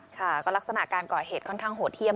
ค่ะก็ลักษณะการก่อเหตุค่อนข้างโหดเยี่ยม